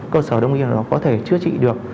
cơ sở đồng y nào đó có thể chữa trị được